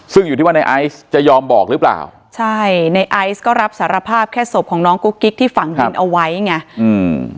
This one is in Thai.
ซึ่งอยู่ที่ว่าในไอซ์จะยอมบอกหรือเปล่าใช่ในไอซ์ก็รับสารภาพแค่ศพของน้องกุ๊กกิ๊กที่ฝังดินเอาไว้ไงอืม